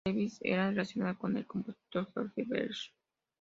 Gershwin está relacionada con el compositor George Gershwin.